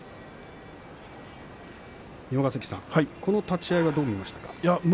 三保ヶ関さん、この立ち合いはどう見ましたか？